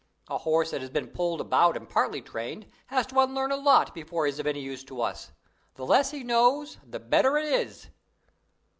A horse that has been pulled about and partly trained has to unlearn a lot before he is any use to us. The less he knows, the better it is."